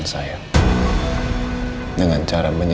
buset di atas poret ini